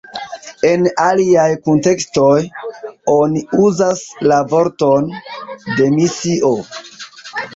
En aliaj kuntekstoj oni uzas la vorton "demisio".